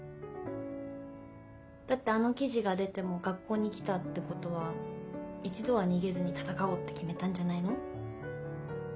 だってあの記事が出ても学校に来たってことは一度は逃げずに闘おうって決めたんじゃないの？